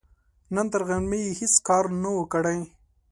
نن تر غرمې يې هيڅ کار نه و، کړی.